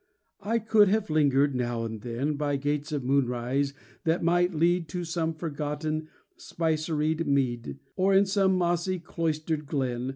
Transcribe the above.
I could have lingered now and then By gates of moonrise that might lead To some forgotten, spiceried mead, Or in some mossy, cloistered glen.